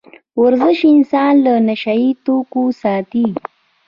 ورزش انسان له نشه يي توکو ساتي.